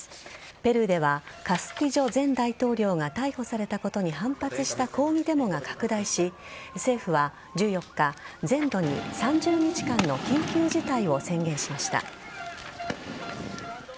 ペルーではカスティジョ前大統領が逮捕されたことに反発した抗議デモが拡大し政府は１４日、全土に３０日間の緊急事態を宣言しました。